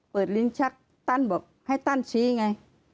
ลิ้นชักตั้นบอกให้ตั้นชี้ไง